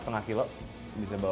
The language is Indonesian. berarti cukup kuat untuk bawa